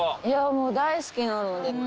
いやもう大好きなので。